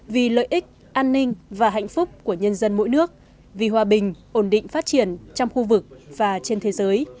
vì lợi ích an ninh và hạnh phúc của nhân dân mỗi nước vì hòa bình ổn định phát triển trong khu vực và trên thế giới